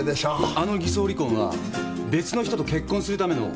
あの偽装離婚は別の人と結婚するための偽装だったんです。